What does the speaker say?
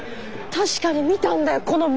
確かに見たんだよこの目で！